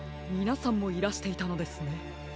みなさんもいらしていたのですね。